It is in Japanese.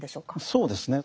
そうですね。